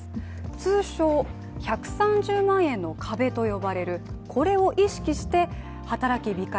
通称・１３０万円の壁と呼ばれるこれを意識して働き控え